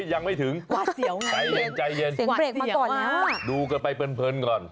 ยังไม่ถึงใจเย็นดูกันไปเพลินก่อน